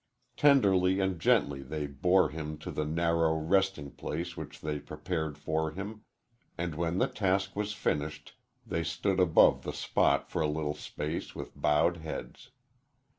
Tenderly and gently they bore him to the narrow resting place which they prepared for him, and when the task was finished they stood above the spot for a little space with bowed heads.